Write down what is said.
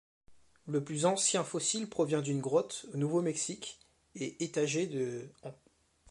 Le plus ancien fossile provient d’une grotte au Nouveau-Mexique et est âgé de ans.